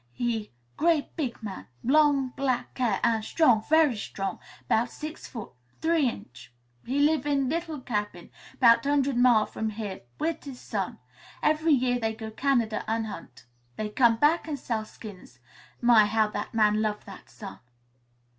He great, big man; long black hair, an' strong; very strong. 'Bout six foot, three inch. He live in little cabin, 'bout hundred mile from here, wit' his son. Every year they go Canada an' hunt. Then come back and sell skins. My, how that man love that son!